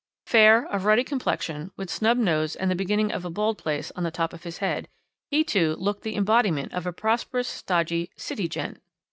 Fair, of ruddy complexion, with snub nose and the beginning of a bald place on the top of his head, he, too, looked the embodiment of a prosperous, stodgy 'City gent.'